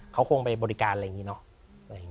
เขาคงไปบริการอะไรอย่างนี้เนอะ